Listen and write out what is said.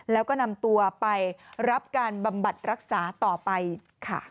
แล้วก็นำตัวไปรับการบำบัดรักษาต่อไปค่ะ